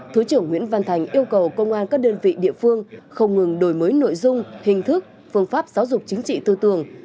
thứ trưởng nguyễn văn thành yêu cầu công an các đơn vị địa phương không ngừng đổi mới nội dung hình thức phương pháp giáo dục chính trị tư tưởng